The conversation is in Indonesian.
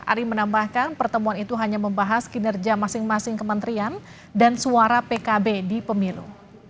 ari menambahkan pertemuan itu hanya membahas kinerja masing masing kementerian dan suara pkb di pemilu